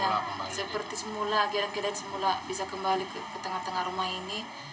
dan seperti semula akhirnya keadaan semula bisa kembali ke tengah tengah rumah ini